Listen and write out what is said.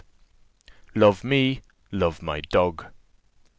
LOVE ME, LOVE MY DOG.